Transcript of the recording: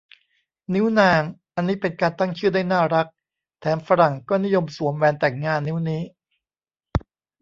นิ้วนาง อันนี้เป็นการตั้งชื่อได้น่ารัก แถมฝรั่งก็นิยมสวมแหวนแต่งงานนิ้วนี้